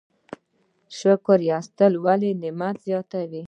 شکر ایستل ولې نعمت زیاتوي؟